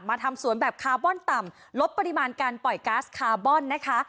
ทำสวนแบบคาร์บอนต่ำลดปริมาณการปล่อยก๊าซคาร์บอนนะคะ